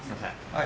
はい。